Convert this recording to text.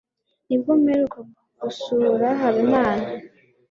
Nibwo mperuka gusura Habimana.